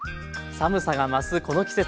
寒さが増すこの季節。